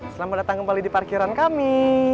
selamat datang kembali di parkiran kami